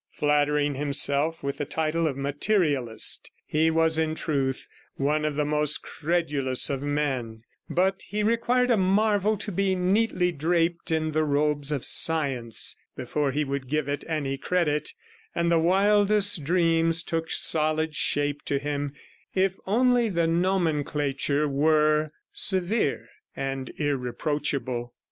Flattering himself with the title of materialist, he was in truth one of the most credulous of men, but he required a marvel to be neatly draped in the robes of Science before he would give it any credit, and the wildest dreams took solid shape to him if only the nomenclature were 35 severe and irreproachable.